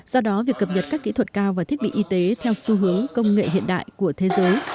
do đó việc cập nhật các kỹ thuật cao và thiết bị y tế theo xu hướng công nghệ hiện đại của thế giới